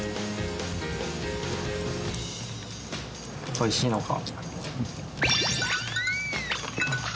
おいしいのか。